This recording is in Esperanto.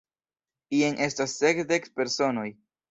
Jen estas sesdek personoj!